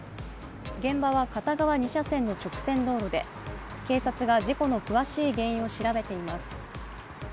現場は片側２車線の直線道路で警察が事故の詳しい原因を調べています。